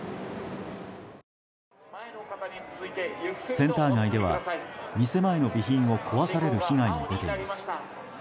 センター街では、店前の備品を壊される被害も出ています。